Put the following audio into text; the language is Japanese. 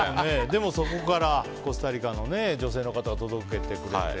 でもそこからコスタリカの女性の方が届けてくれて。